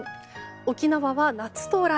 沖縄は夏到来。